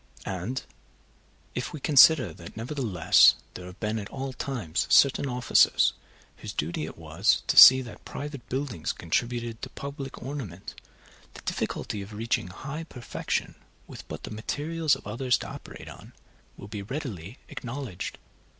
And if we consider that nevertheless there have been at all times certain officers whose duty it was to see that private buildings contributed to public ornament, the difficulty of reaching high perfection with but the materials of others to operate on, will be readily acknowledged.